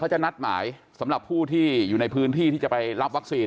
จะนัดหมายสำหรับผู้ที่อยู่ในพื้นที่ที่จะไปรับวัคซีน